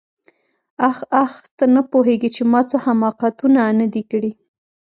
آخ آخ ته نه پوهېږې چې ما څه حماقتونه نه دي کړي.